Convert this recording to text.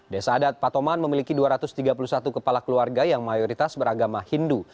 desa adat patoman memiliki dua ratus tiga puluh satu kepala keluarga yang mayoritas beragama hindu